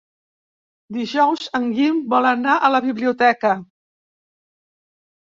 Dijous en Guim vol anar a la biblioteca.